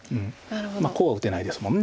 こうは打てないですもんね。